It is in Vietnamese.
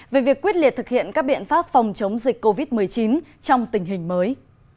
về việc quyết liệt thực hiện các biện pháp phòng chống dịch covid một mươi chín trong tình hình mới